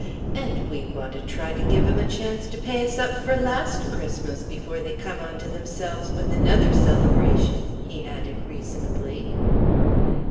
" and we want to try to give 'em a chance to pay us up for last Christmas before they come on to themselves with another celebration," he added reasonably.